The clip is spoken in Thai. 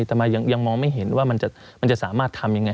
ทำไมยังมองไม่เห็นว่ามันจะสามารถทำยังไง